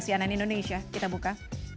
cnn indonesia kita buka